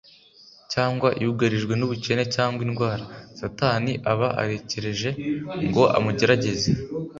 cyangwa yugarijwe n'ubukene cyangwa indwara, Satani aba arekereje ngo amugerageze